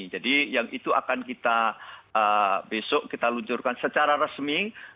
jadi yang itu akan kita besok kita luncurkan secara resmi